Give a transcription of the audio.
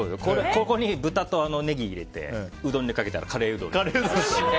ここに豚とネギ入れてうどんにかけたらカレーうどんになります。